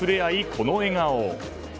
この笑顔。